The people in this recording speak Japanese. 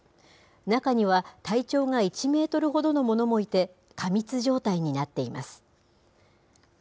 中には、体長が１メートルほどのものもいて、過密状態になっています。